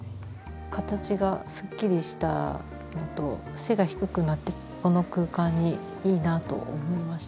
形がすっきりしたのと背が低くなってこの空間にいいなと思いました。